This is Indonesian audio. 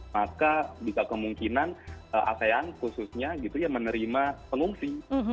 maka jika kemungkinan asean khususnya menerima pengungsi